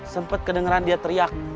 sempet kedengeran dia teriak